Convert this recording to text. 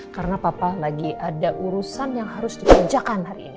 karena papa lagi ada urusan yang harus dikerjakan hari ini